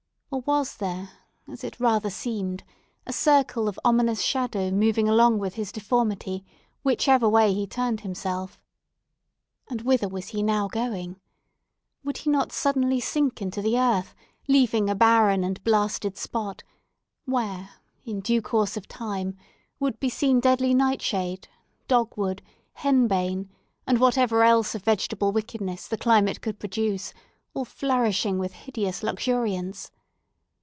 Or was there, as it rather seemed, a circle of ominous shadow moving along with his deformity whichever way he turned himself? And whither was he now going? Would he not suddenly sink into the earth, leaving a barren and blasted spot, where, in due course of time, would be seen deadly nightshade, dogwood, henbane, and whatever else of vegetable wickedness the climate could produce, all flourishing with hideous luxuriance?